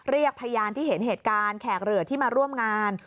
เรียกพยานที่เห็นเหตุการณ์แขกเหลือที่มาร่วมงาน